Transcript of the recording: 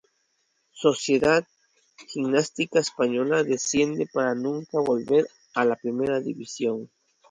Sociedad Gimnástica Española desciende para nunca más volver a Primera División.